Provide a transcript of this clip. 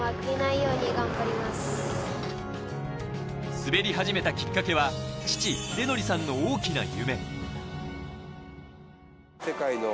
滑り始めたきっかけは父・英功さんの大きな夢。